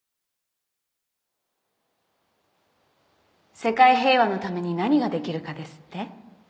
「世界平和のために何ができるかですって？」